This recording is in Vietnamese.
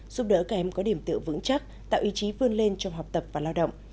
giúp đỡ các em có điểm tựa vững chắc tạo ý chí vươn lên trong học tập và lao động